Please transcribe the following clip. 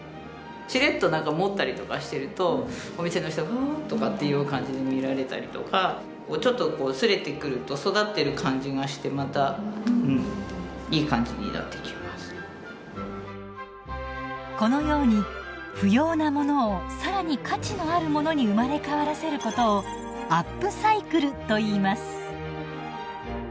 しれっと持ったりとかしてるとお店の人が「あ」とかっていう感じで見られたりとかちょっとこう擦れてくるとこのように不要なものを更に価値のあるものに生まれ変わらせることをアップサイクルといいます。